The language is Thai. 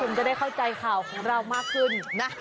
คุณจะได้เข้าใจข่าวของเรามากขึ้นนะ